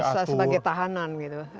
merasa sebagai tahanan gitu